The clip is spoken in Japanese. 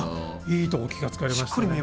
いいとこ気がつかれましたね。